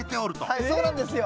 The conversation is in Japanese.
はいそうなんですよ。